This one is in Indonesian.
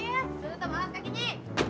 lo tetep malas kakinya